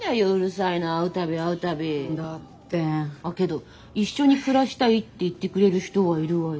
あけど一緒に暮らしたいって言ってくれる人はいるわよ。